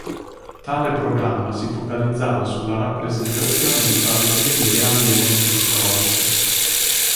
Tale programma si focalizzava sulla rappresentazione di parodie di grandi eventi storici.